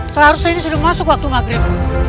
seharusnya ini sudah masuk waktu maghrib